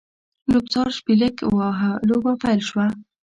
لوبڅار شپېلک ووهه؛ لوبه پیل شوه.